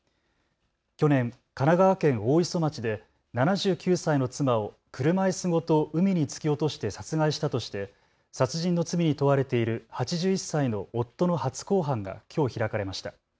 去年、神奈川県大磯町で７９歳の妻を車いすごと海に突き落として殺害したとして殺人の罪に問われている８１歳の夫の初公判がきょう開かれました。